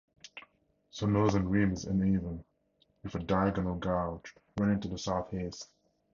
The northern rim is uneven, with a diagonal gouge running to the southeast.